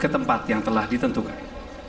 dan menemukan tempat yang telah ditentukan